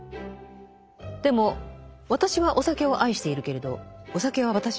でも私はお酒を愛しているけれどお酒は私を愛してはくれない。